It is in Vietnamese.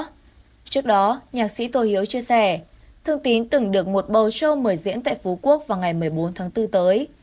trước đó nhạc sĩ tô hiếu chia sẻ thương tín từng được một bầu show mời diễn tại phú quốc vào ngày một mươi bốn tháng bốn tới